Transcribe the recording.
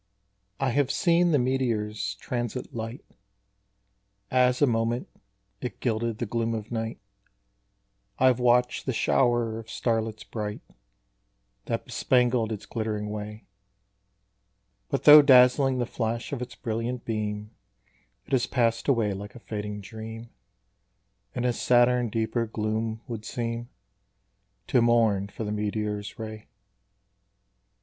_ I have seen the meteor's transient light, As, a moment, it gilded the gloom of night; I have watched the shower of starlets bright That bespangled its glittering way: But though dazzling the flash of its brilliant beam, It has passed away like a fading dream, And a sadder and deeper gloom would seem To mourn for the meteor's ray.